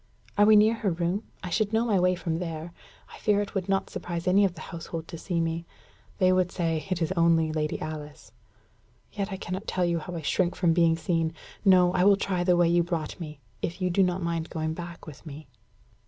"Are we near her room? I should know my way from there. I fear it would not surprise any of the household to see me. They would say 'It is only Lady Alice.' Yet I cannot tell you how I shrink from being seen. No I will try the way you brought me if you do not mind going back with me."